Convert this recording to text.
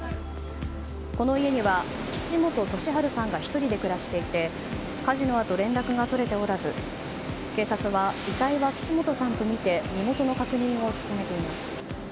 この家には岸本俊治さんが１人で暮らしていて火事のあと連絡が取れておらず警察は、遺体は岸本さんとみて身元の確認を進めています。